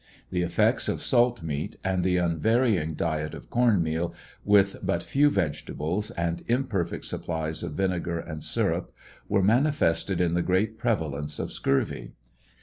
The effects of salt meat, and the unvarying diet of corn meal, with but few vegetables, and imperfect supplies of vinegar and sirup, were manifested in the great prevalence of scurvy.